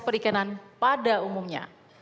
komoditas perikanan pada umumnya